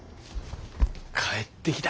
帰ってきた。